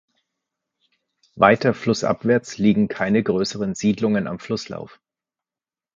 Weiter flussabwärts liegen keine größeren Siedlungen am Flusslauf.